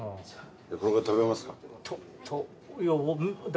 これから食べますか？